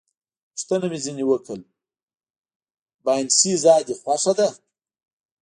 پوښتنه مې ځنې وکړل: باینسېزا دې خوښه ده؟